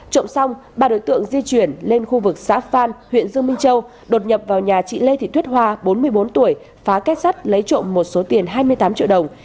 trộm xong ba đối tượng di chuyển lên khu vực xã phan huyện dương minh châu đột nhập vào nhà chị lê thị tuyết hoa bốn mươi bốn tuổi phá kết sắt lấy trộm một số tiền hai mươi tám triệu đồng